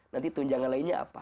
nanti tunjangan lainnya apa